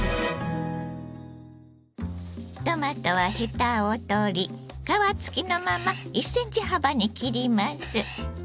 トマトはヘタを取り皮つきのまま１センチ幅に切ります。